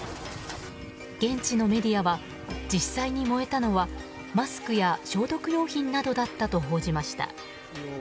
現地のメディアは実際に燃えたのはマスクや消毒用品などだったと報じました。